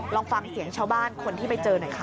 ลองฟังเสียงชาวบ้านคนที่ไปเจอหน่อยค่ะ